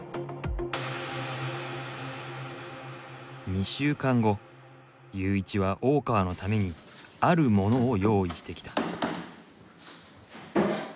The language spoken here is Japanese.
２週間後ユーイチは大川のためにある物を用意してきた。